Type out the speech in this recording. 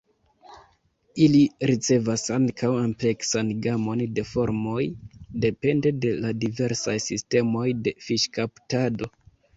Ili ricevas ankaŭ ampleksan gamon de formoj depende de la diversaj sistemoj de fiŝkaptado.